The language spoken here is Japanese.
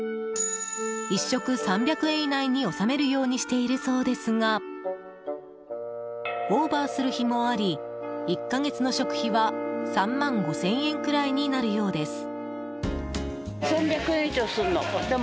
１食３００円以内に収めるようにしているそうですがオーバーする日もあり１か月の食費は３万５０００円くらいになるようです。